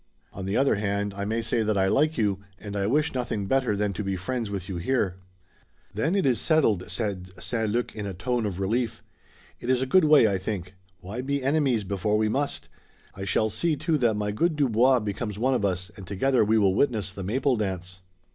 On the other hand I may say that I like you and I wish nothing better than to be friends with you here." "Then it is settled," said St. Luc in a tone of relief. "It is a good way, I think. Why be enemies before we must? I shall see, too, that my good Dubois becomes one of us, and together we will witness the Maple Dance."